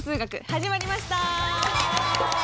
始まりました！